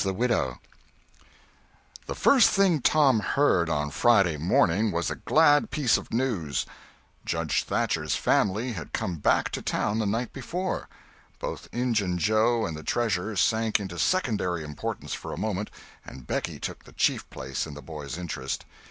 CHAPTER XXIX THE first thing Tom heard on Friday morning was a glad piece of news—Judge Thatcher's family had come back to town the night before. Both Injun Joe and the treasure sunk into secondary importance for a moment, and Becky took the chief place in the boy's interest.